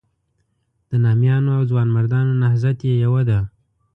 د نامیانو او ځوانمردانو نهضت یې یوه ده.